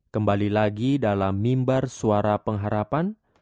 kembali lagi dalam mimbar suara pengharapan